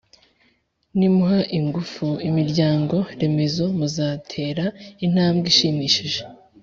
nimuha ingufu imiryango-remezo muzatera intambwe ishimishije